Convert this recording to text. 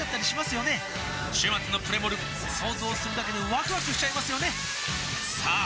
週末のプレモル想像するだけでワクワクしちゃいますよねさあ